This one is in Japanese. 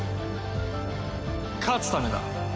勝つためだ。